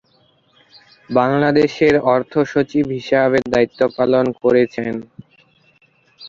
বাংলাদেশের অর্থ সচিব হিসাবে দায়িত্ব পালন করেছেন।